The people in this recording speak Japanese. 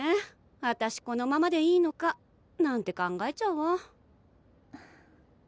私このままでいいのかなんて考えちゃうわ。